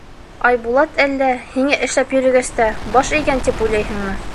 Айбулат әллә, һиңә эшләп йөрөгәс тә, баш эйгән тип уйлайһыңмы?